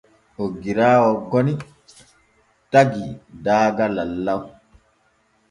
Oggiraawo goni taggi daaga lallaw.